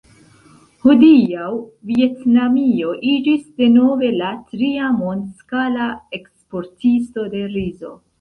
Hodiaŭ Vjetnamio iĝis denove la tria mondskala eksportisto de rizo.